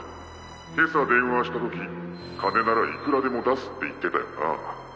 今朝電話した時金ならいくらでも出すって言ってたよな？